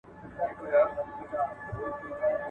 ډاکټران کومه لوړه کوي؟